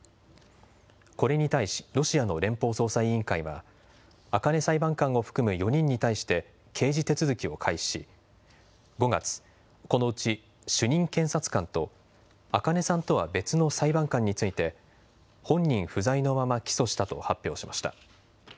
これに対しロシアの連邦捜査委員会は赤根裁判官を含む４人に対して刑事手続きを開始し５月、このうち主任検察官と赤根さんとは別の裁判官について本人不在のまま起訴したと発表しました。